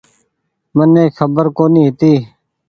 مني کبر ڪونيٚ هيتي ۔